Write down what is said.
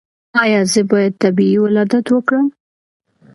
ایا زه باید طبیعي ولادت وکړم؟